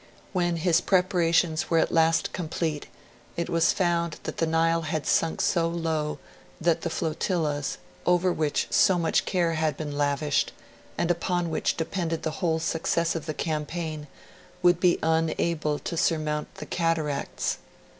When his preparations were at last complete, it was found that the Nile had sunk so low that the flotillas, over which so much care had been lavished, and upon which depended the whole success of the campaign, would be unable to surmount the cataracts.